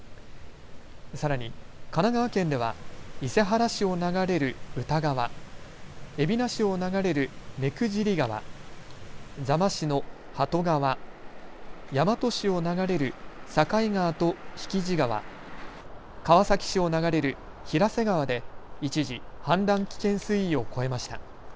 さらに神奈川県では伊勢原市を流れる歌川、海老名市を流れる目久尻川、座間市の鳩川、大和市を流れる境川と引地川、川崎市を流れる平瀬川で一時氾濫危険水位を超えました。